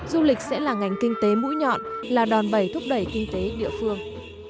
du lịch sẽ là ngành kinh tế mũi nhọn là đòn bẩy thúc đẩy kinh tế địa phương